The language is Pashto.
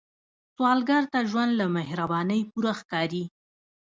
سوالګر ته ژوند له مهربانۍ پوره ښکاري